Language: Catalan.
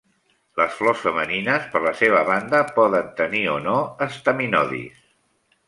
Les flors femenines, per la seva banda, poden tenir o no estaminodis.